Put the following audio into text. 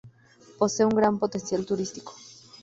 Posee un gran potencial turístico.